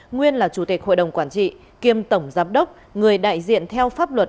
nguyên là chủ tịch hội đồng quản trị kiêm tổng giám đốc người đại diện theo pháp luật